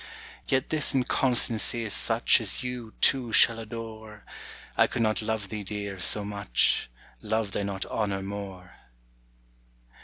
Yet this inconstancy is such As you, too, shall adore; I could not love thee, deare, so much, Loved I not honour more.